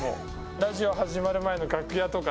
ラジオが始まる前の楽屋とか。